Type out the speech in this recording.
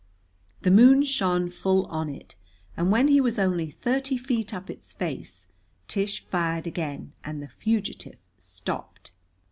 The moon shone full on it, and when he was only thirty feet up its face Tish fired again, and the fugitive stopped.